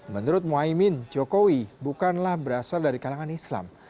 menurut muhaymin jokowi bukanlah berasal dari kalangan islam